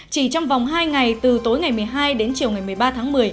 chỉ trong vòng hai ngày từ tối ngày một mươi hai đến chiều ngày một mươi ba tháng một mươi